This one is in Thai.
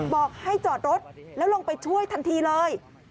บอกให้จอดรถแล้วลงไปช่วยทันทีเลย